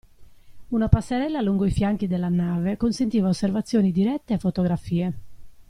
Una passerella lungo i fianchi della nave consentiva osservazioni dirette e fotografie.